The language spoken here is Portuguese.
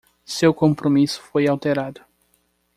Seu compromisso foi alterado.